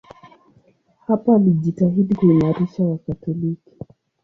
Hapo alijitahidi kuimarisha Wakatoliki.